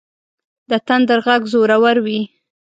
د تندر غږ زورور وي.